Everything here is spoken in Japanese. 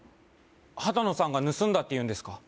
ハタノさんが盗んだっていうんですか？